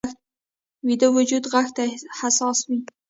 ویده وجود غږ ته حساس وي